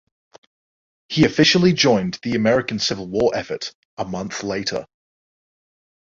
He officially joined the American Civil War effort a month later.